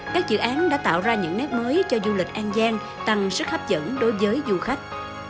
các dự án đã tạo ra những nét mới cho du lịch an giang tăng sức hấp dẫn đối với du khách